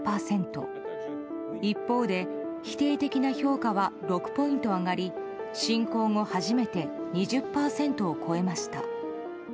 一方で、否定的な評価は６ポイント上がり侵攻後初めて２０％を超えました。